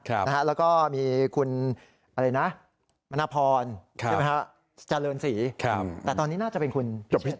แล้วก็มีคุณมณพรจริงไหมฮะจริงสิแต่ตอนนี้น่าจะเป็นคุณพิเชษ